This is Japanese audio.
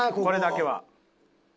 これだけは。